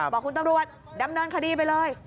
บอกคุณตำรวจดำเนินคดีไปเลย